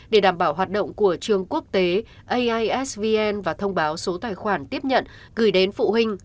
vào hoạt động của trường quốc tế aisvn và thông báo số tài khoản tiếp nhận gửi đến phụ huynh